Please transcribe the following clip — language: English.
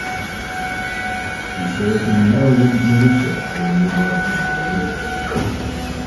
He served in the Maryland militia during the American Revolution.